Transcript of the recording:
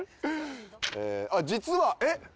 実はえっ？